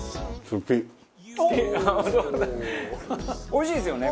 おいしいですよね